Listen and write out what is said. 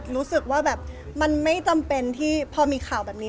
รู้สึกว่าแบบมันไม่จำเป็นที่พอมีข่าวแบบนี้